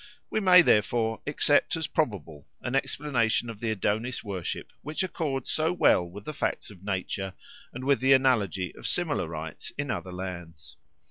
We may, therefore, accept as probable an explanation of the Adonis worship which accords so well with the facts of nature and with the analogy of similar rites in other lands.